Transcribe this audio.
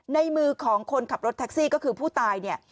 ในมือของคนขับรถแท็กซี่ก็คือผู้ตายเนี่ย